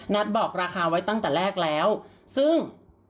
บอกราคาไว้ตั้งแต่แรกแล้วซึ่ง